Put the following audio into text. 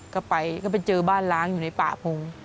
ก็ไปเจอบ้านล้างอยู่ในป่าพงค์